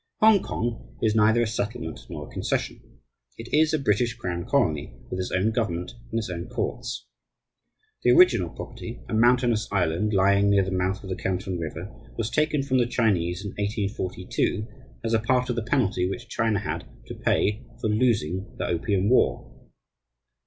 Hongkong is neither a "settlement" nor a "concession." It is a British crown colony, with its own government and its own courts. The original property, a mountainous island lying near the mouth of the Canton River, was taken from the Chinese in 1842, as a part of the penalty which China had to pay for losing the Opium War.